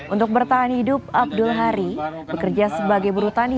untuk bertahan hidup abdul hari bekerja sebagai buru tani